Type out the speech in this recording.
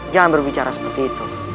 jangan berbicara seperti itu